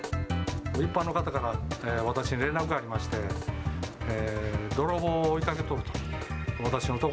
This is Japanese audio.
一般の方から私に連絡がありまして、泥棒を追いかけとると。